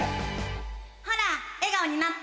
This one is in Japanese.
ほら笑顔になって！